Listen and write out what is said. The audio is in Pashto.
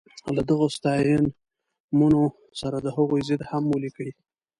له دغو ستاینومونو سره د هغوی ضد هم ولیکئ.